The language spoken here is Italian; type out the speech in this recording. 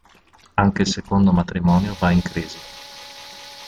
Anche il secondo matrimonio va in crisi.